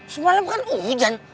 semalam kan hujan